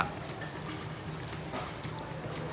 โอ้โห